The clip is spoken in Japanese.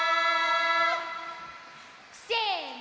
せの！